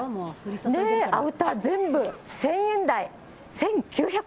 アウター全部１０００円台、１９００円。